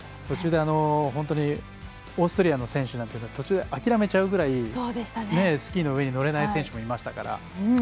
途中でオーストリアの選手諦めちゃうぐらいスキーの上に乗れない選手もいましたから。